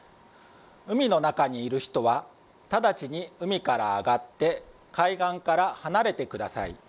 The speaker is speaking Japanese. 海の中にいる人は直ちに海から上がって海岸から離れてください。